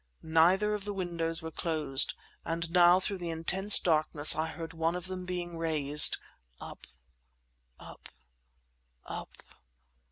Neither of the windows were closed; and now through the intense darkness I heard one of them being raised up—up—up...